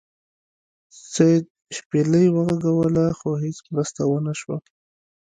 سید شپیلۍ وغږوله خو هیڅ مرسته ونه شوه.